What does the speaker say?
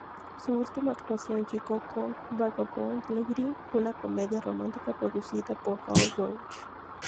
Su última actuación llegó con "Vagabond Lady", una comedia romántica producida por Hal Roach.